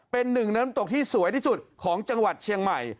เป็นหนึ่งน้ำตกที่สวยที่สุดของจังหวัดเชียงใหม่